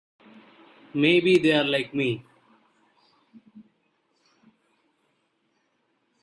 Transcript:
Maybe they're like me.